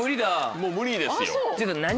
もう無理ですよ。